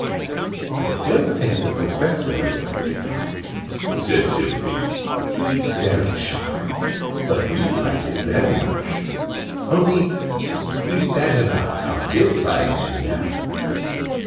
"I don't think the Professor would like to come," said Sylvie. "He's very shy. But we'd like it very much. Only we'd better not come this size, you know."